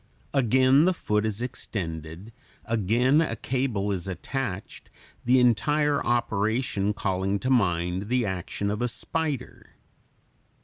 Again the foot is extended, again a cable is attached, the entire operation calling to mind the action of a spider.